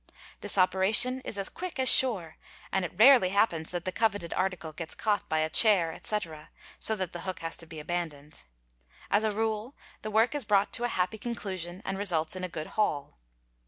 This operation is as quick as sure and it rarely happens that the coveted article gets caught by a chair, etc., so that the iz hook has to be abandoned. As a rule the work is brought to a happy 2 conclusion and results in a good haul.